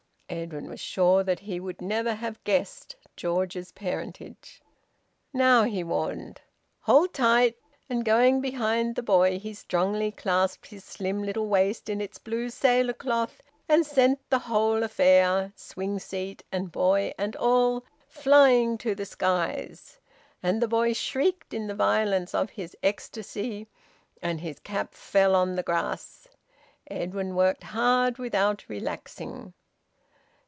Edwin was sure that he would never have guessed George's parentage. "Now!" he warned. "Hold tight." And, going behind the boy, he strongly clasped his slim little waist in its blue sailor cloth, and sent the whole affair swing seat and boy and all flying to the skies. And the boy shrieked in the violence of his ecstasy, and his cap fell on the grass. Edwin worked hard without relaxing.